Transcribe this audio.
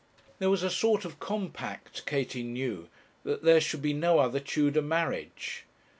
There was a sort of compact, Katie knew, that there should be no other Tudor marriage.